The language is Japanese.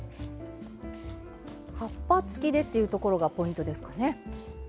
葉っぱ付きでというところがポイントですかね？